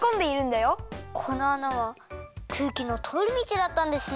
このあなはくうきのとおりみちだったんですね。